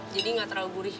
jadi nggak terlalu gurih